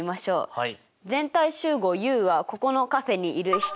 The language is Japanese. はい。